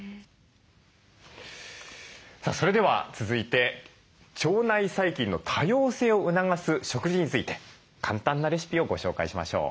さあそれでは続いて腸内細菌の多様性を促す食事について簡単なレシピをご紹介しましょう。